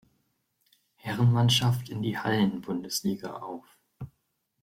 Herrenmannschaft in die Hallen-Bundesliga auf.